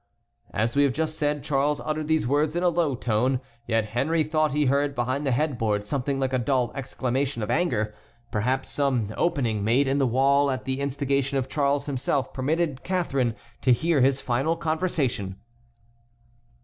As we have just said, Charles uttered these words in a low tone, yet Henry thought he heard behind the headboard something like a dull exclamation of anger. Perhaps some opening made in the wall at the instigation of Charles himself permitted Catharine to hear this final conversation.